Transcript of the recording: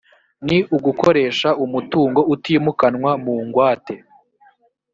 ni ugukoresha umutungo utimukanwa mu ngwate